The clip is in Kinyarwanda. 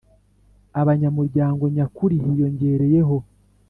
abanyamuryango nyakuri hiyongereyeho